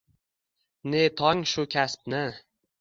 нетонг шу касбни...